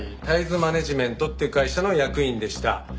タイズマネジメントっていう会社の役員でした。